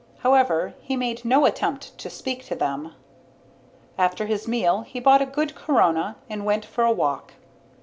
However, he made no attempt to speak to them. After his meal, he bought a good corona and went for a walk.